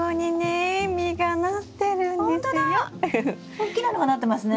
おっきなのがなってますね。